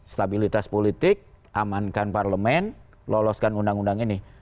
stabilitas politik amankan parlemen loloskan undang undang ini